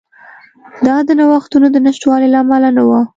دا د نوښتونو د نشتوالي له امله نه وه.